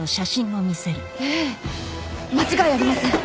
ええ間違いありません。